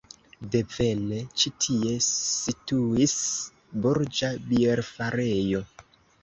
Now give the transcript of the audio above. Devene ĉi tie situis burga bierfarejo.